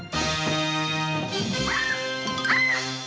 あっ